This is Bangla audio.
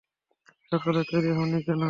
সকালে তৈরি হওনি কেন?